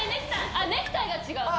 ネクタイが違う。